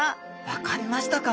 「分かりましたか？」。